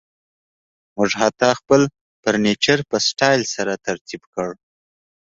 موږ حتی خپل فرنیچر په سټایل سره ترتیب کړ